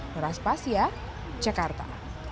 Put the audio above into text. merah spasia cekarta